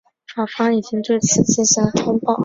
法方已经对此进行了通报。